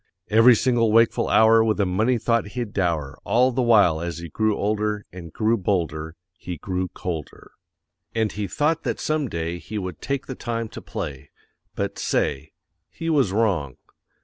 Every single wakeful hour With a money thought he'd dower; All the while as he grew older, And grew bolder, he grew colder. And he thought that some day He would take the time to play; But, say he was wrong.